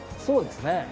そうですね。